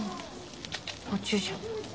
コチュジャン。